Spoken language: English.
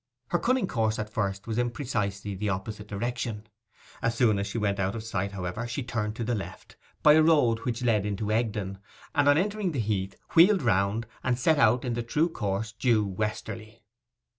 Her cunning course at first was in precisely the opposite direction. As soon as she was out of sight, however, she turned to the left, by a road which led into Egdon, and on entering the heath wheeled round, and set out in the true course, due westerly.